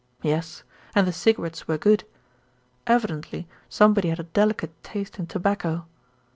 Yes, and the cigarettes were good. Evidently somebody had a delicate taste in tobacco.